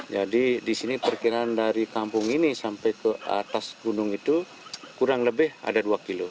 di sini perkiraan dari kampung ini sampai ke atas gunung itu kurang lebih ada dua kilo